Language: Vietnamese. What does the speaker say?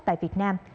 tại việt nam